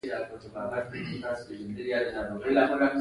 تودوخه د ایونونو او الکترونونو د حرکې انرژي د زیاتیدو لامل ګرځي.